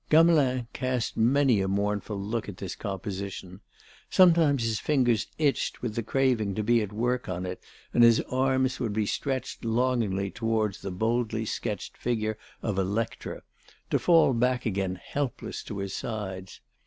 Gamelin cast many a mournful look at this composition; sometimes his fingers itched with the craving to be at work on it, and his arms would be stretched longingly towards the boldly sketched figure of Electra, to fall back again helpless to his sides.